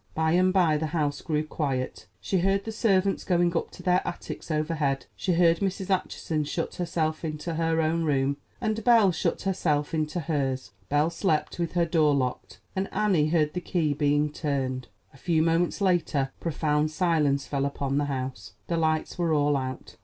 By and by the house grew quiet. She heard the servants going up to their attics overhead; she heard Mrs. Acheson shut herself into her own room, and Belle shut herself into hers. Belle slept with her door locked, and Annie heard the key being turned. A few moments later profound silence fell upon the house; the lights were all out.